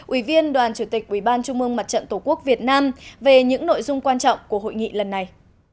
ủy viên đoàn chủ tịch ubnd tổ quốc việt nam về những nội dung quan trọng của hội nghị lần này